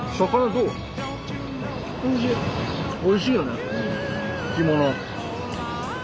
おいしいよね干物。